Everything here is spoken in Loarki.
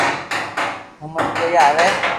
ھمج ڪوئي آوي